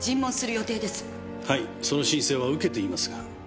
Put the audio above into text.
はいその申請は受けていますが。